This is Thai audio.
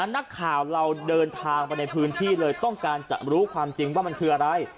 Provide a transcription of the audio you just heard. นักข่าวเราเดินทางไปในพื้นที่เลยต้องการจะรู้ความจริงว่ามันคืออะไร